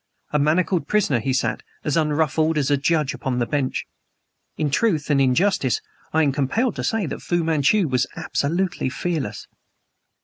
A manacled prisoner he sat as unruffled as a judge upon the bench. In truth and in justice I am compelled to say that Fu Manchu was absolutely fearless.